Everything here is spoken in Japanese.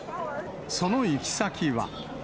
その行き先は。